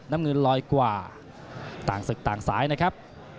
น้ำเงินลอยกว่าต่างศึกต่างสายนะครับ